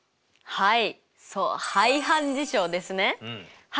はい。